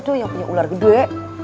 tuh yang punya ular gede